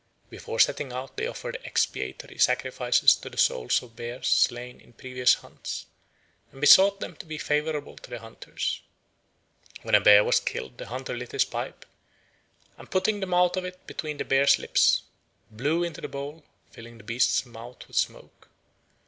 Before setting out they offered expiatory sacrifices to the souls of bears slain in previous hunts, and besought them to be favourable to the hunters. When a bear was killed the hunter lit his pipe, and putting the mouth of it between the bear's lips, blew into the bowl, filling the beast's mouth with smoke.